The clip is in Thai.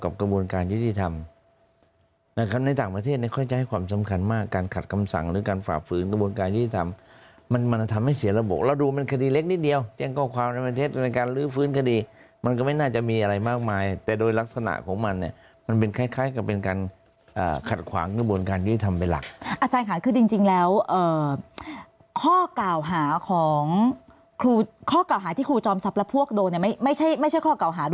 กับกระบวนการยุทธิธรรมในต่างประเทศค่อยใจความสำคัญมากการขัดคำสั่งหรือการฝากฟื้นกระบวนการยุทธิธรรมมันทำให้เสียระบบแล้วดูมันคดีเล็กนิดเดียวแจ้งก้อความในประเทศในการลื้อฟื้นคดีมันก็ไม่น่าจะมีอะไรมากมายแต่โดยลักษณะของมันเนี่ยมันเป็นคล้ายกับเป็นการขัดขวางกระ